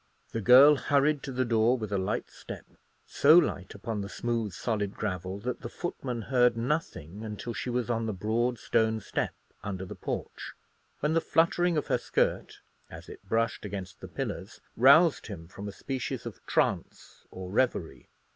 The girl hurried to the door with a light step, so light upon the smooth solid gravel that the footman heard nothing until she was on the broad stone step under the porch, when the fluttering of her skirt, as it brushed against the pillars, roused him from a species of trance or reverie.